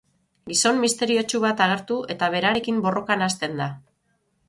Gizon misteriotsu bat agertu eta berarekin borrokan hasten da.